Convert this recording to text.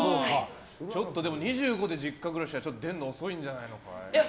ちょっと２５で実家暮らしは出るの遅いんじゃないのかい。